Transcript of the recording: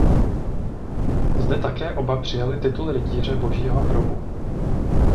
Zde také oba přijali titul rytíře Božího hrobu.